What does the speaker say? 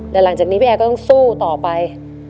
แต่หลังจากนี้พี่แอร์ก็ต้องสู้ต่อไป